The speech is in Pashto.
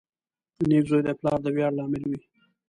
• نېک زوی د پلار د ویاړ لامل وي.